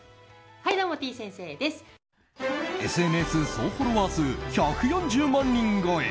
ＳＮＳ総フォロワー数１４０万人超え。